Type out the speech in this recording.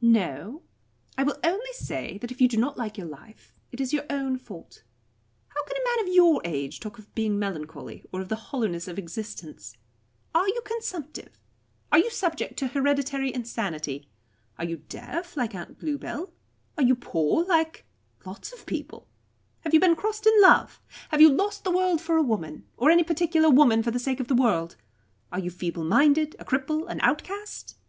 "No. I will only say that if you do not like your life, it is your own fault. How can a man of your age talk of being melancholy, or of the hollowness of existence? Are you consumptive? Are you subject to hereditary insanity? Are you deaf, like Aunt Bluebell? Are you poor, like lots of people? Have you been crossed in love? Have you lost the world for a woman, or any particular woman for the sake of the world? Are you feebleminded, a cripple, an outcast?